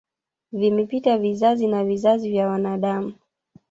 Vimepita vizazi na vizazi vya wanadamu